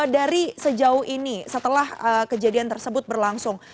dari sejauh ini setelah kejadian tersebut berlangsung